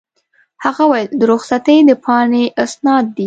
هغه وویل: د رخصتۍ د پاڼې اسناد دي.